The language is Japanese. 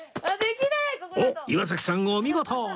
おっ岩崎さんお見事！